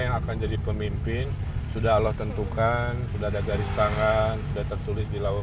yang akan jadi pemimpin sudah allah tentukan sudah ada garis tangan sudah tertulis di laut